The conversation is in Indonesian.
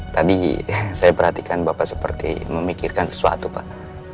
tadi saya perhatikan bapak seperti memikirkan sesuatu pak